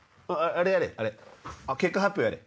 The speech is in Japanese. あれやれ！